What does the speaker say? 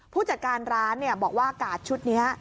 ผู้จัดการร้านบอกว่ากาดชุดนี้